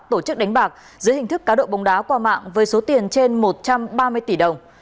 tổ chức đánh bạc dưới hình thức cá độ bóng đá qua mạng với số tiền trên một trăm ba mươi tỷ đồng